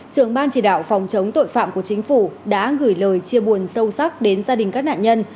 trưởng ban chỉ đạo phòng chống tội phạm của chính phủ đã gửi lời chia buồn sâu sắc đến gia đình các nạn nhân